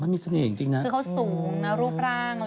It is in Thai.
คือเขาสูงนะรูปร่างอะไรแสดงอย่างนู้นนะ